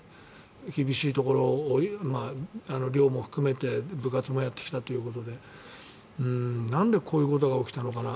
厳しいところ、寮も含めて部活もやってきたということでなんで、こういうことが起きたのかな。